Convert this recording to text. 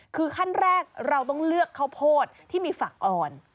คือขั้นแรกเราต้องเลือกข้าวโพดที่มีฝักอ่อน